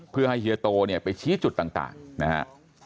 เพื่อให้เฮียโตเนี่ยไปชี้จุดต่างนะฮะ